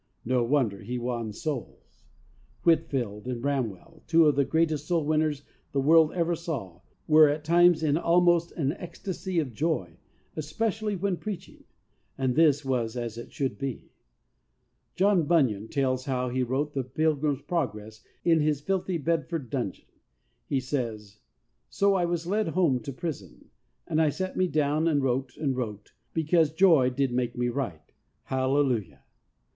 No wonder he won souls. PERSONAL EXPERIENCE. 7 Whitefield and Bramwell, two of the greatest soul winners the world ever saw, were at times in almost an ecstasy of joy, especially when preaching. And this was as it should be. John Bunyan tells us how he wrote the "Pilgrim's Progress" in his filthy Bedford dungeon. He says, "So I was led home to prison, and I sat me down and wrote and wrote because joy did make me write." Hallelujah!